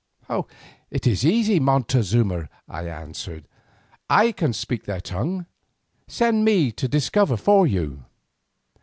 "It is easy, O Montezuma," I answered. "I can speak their tongue; send me to discover for you."